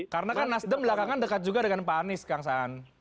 karena kan nasdem belakangan dekat juga dengan pak anies kang saan